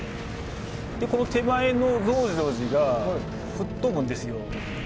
手前の増上寺が吹っ飛ぶんですよ。